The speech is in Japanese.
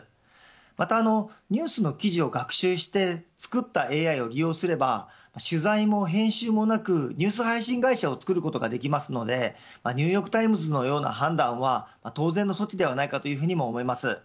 また、ニュースの記事を学習して作ったＡＩを利用すれば取材も編集もなくニュース配信会社を作ることができますのでニューヨーク・タイムズのような判断は当然の措置ではないかというふうにも思います。